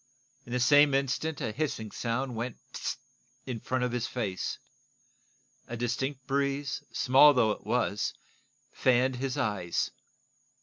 In the same instant a hissing sound went pseu! in front of his face. A distinct breeze, small though it was, fanned his eyes.